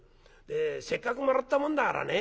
でせっかくもらったもんだからね